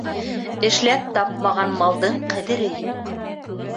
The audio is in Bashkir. Эшләп тапмаған малдың ҡәҙере юҡ.